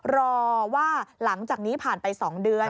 รอว่าหลังจากนี้ผ่านไป๒เดือน